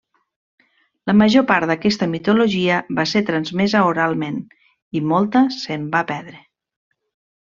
La major part d'aquesta mitologia va ser transmesa oralment, i molta se'n va perdre.